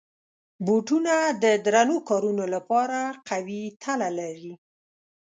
بوټونه د درنو کارونو لپاره قوي تله لري.